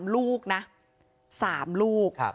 ๓ลูกนะ๓ลูก